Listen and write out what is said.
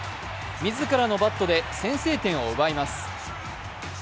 自らのバットで先制点を奪います。